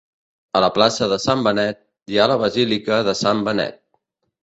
A la plaça de Sant Benet hi ha la Basílica de Sant Benet.